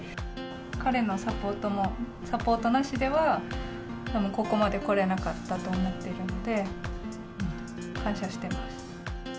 彼のサポートも、サポートなしでは、ここまでこれなかったと思っているので、感謝してます。